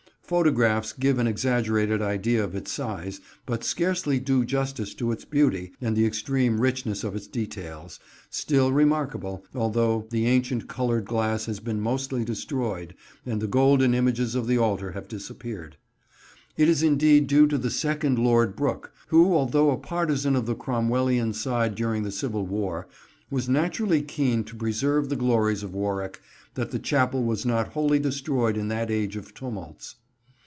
Photographs give an exaggerated idea of its size, but scarcely do justice to its beauty and the extreme richness of its details, still remarkable, although the ancient coloured glass has been mostly destroyed and the golden images of the altar have disappeared. It is indeed due to the second Lord Brooke, who although a partisan of the Cromwellian side during the Civil War, was naturally keen to preserve the glories of Warwick, that the Chapel was not wholly destroyed in that age of tumults.